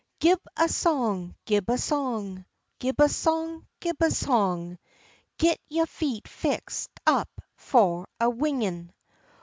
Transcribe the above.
Gib a song, gib a song, Gib a song, gib a song, Git yo' feet fixed up fu' a wingin'.